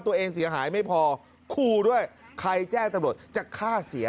ตัวเองเสียหายไม่พอคู่ด้วยใครแจ้งตำรวจจะฆ่าเสีย